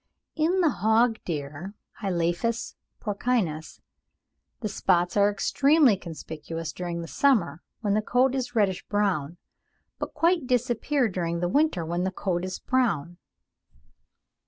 In the hog deer (Hyelaphus porcinus) the spots are extremely conspicuous during the summer when the coat is reddish brown, but quite disappear during the winter when the coat is brown.